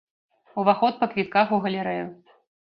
Уваход па квітках у галерэю.